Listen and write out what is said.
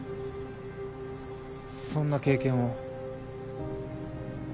そんな経験を？